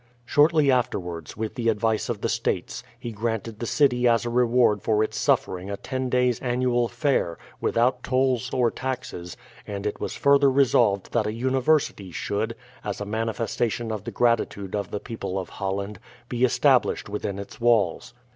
Shortly afterwards, with the advice of the States, he granted the city as a reward for its suffering a ten days' annual fair, without tolls or taxes, and it was further resolved that a university should, as a manifestation of the gratitude of the people of Holland, be established within its walls.